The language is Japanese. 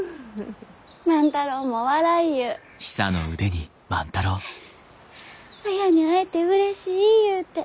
フッ綾に会えてうれしいゆうて。